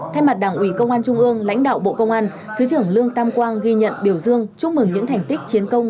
thay mặt đảng ủy công an trung ương lãnh đạo bộ công an thứ trưởng lương tam quang ghi nhận biểu dương chúc mừng những thành tích chiến công